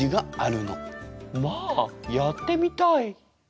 まあやってみたい。